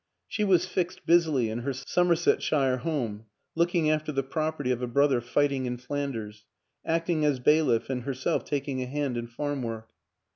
She was fixed busily in her Somersetshire home, looking after the property of a brother fighting in Flanders, acting as bailiff and herself taking a hand in farmwork.